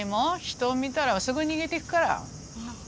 人を見たらすぐ逃げてくから。